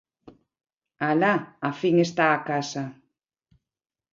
Alá á fin está a casa.